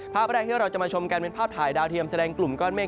ภาพแรกที่เราจะมาชมกันเป็นภาพถ่ายดาวเทียมแสดงกลุ่มก้อนเมฆ